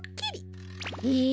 へえ。